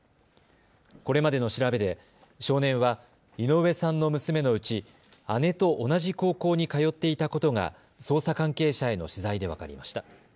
これまでの調べで少年は井上さんの娘のうち姉と同じ高校に通っていたことが捜査関係者への取材で分かりました。